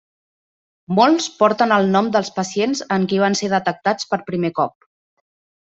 Molts porten el nom dels pacients en qui van ser detectats per primer cop.